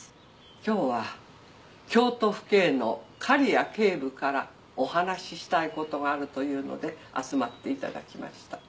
今日は京都府警の狩矢警部からお話ししたいことがあるというので集まっていただきました。